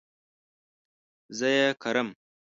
زه ئې کرم